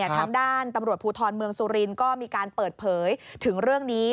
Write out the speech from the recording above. ทางด้านตำรวจภูทรเมืองสุรินทร์ก็มีการเปิดเผยถึงเรื่องนี้